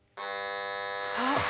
あっ。